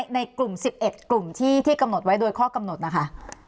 ในกลุ่ม๑๑กลุ่มที่กำหนดไว้โดยข้อกำหนดนะคะ